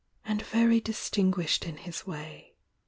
"And very distinguished in his way.